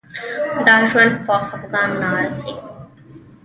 دا ژوند په خفګان نه ارزي.